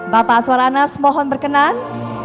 bapak aswar anas mohon berkenan